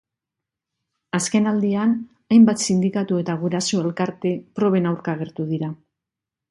Azken aldian, hainbat sindikatu eta guraso elkarte proben aurka agertu dira.